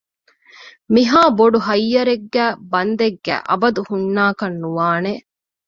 މިހާ ބޮޑު ހައްޔަރެއްގައި ބަންދެއްގައި އަބަދު ހުންނާކަށް ނުވާނެ